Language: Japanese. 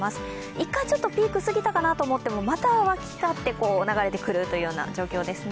一回ちょっとピーク過ぎたかなと思っても、また沸き立って流れてくるというような状況ですね。